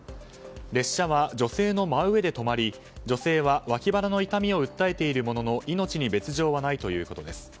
列車は女性の真上で止まり女性は脇腹の痛みを訴えているものの命に別条はないということです。